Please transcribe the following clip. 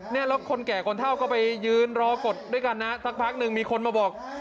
แล้วคนแก่คนเท่าก็ไปยืนรอกดด้วยกันนะสักพักหนึ่งมีคนมาบอก